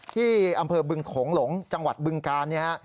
ที่อำเภอบึงโขงหลงจังหวัดบึงกาล